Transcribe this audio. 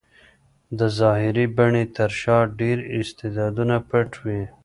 د ظاهري بڼې تر شا ډېر استعدادونه پټ وي.